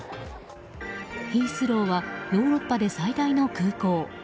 ヒースローはヨーロッパで最大の空港。